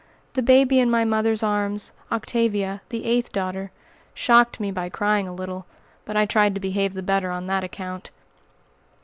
The baby in my mother's arms Octavia, the eighth daughter shocked me by crying a little, but I tried to behave the better on that account.